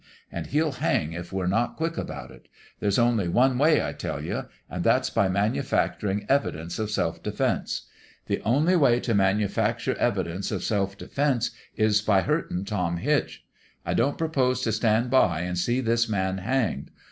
And he'll hang if we're not quick about it There's only one way, I tell you ; and that's by manufactur ing evidence of self defense. The only way to manufacture evidence of self defense is by hurt ing Tom Hitch. I don't propose to stand by and see this man hanged.